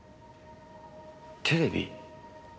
テレビ？